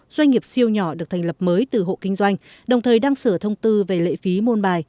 doanh nghiệp siêu nhỏ được thành lập mới từ hộ kinh doanh đồng thời đăng sửa thông tư về lệ phí môn bài